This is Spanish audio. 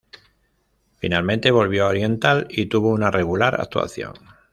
Finalmente volvió a Oriental y tuvo una regular actuación.